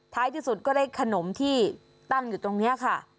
ที่สุดก็ได้ขนมที่ตั้งอยู่ตรงนี้ค่ะ